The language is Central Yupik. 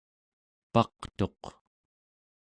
paqtuq